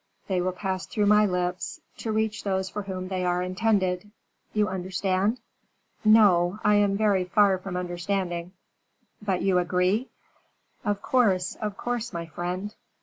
They will pass through my lips, to reach those for whom they are intended you understand?" "No, I am very far from understanding." "But you agree?" "Of course, of course, my friend."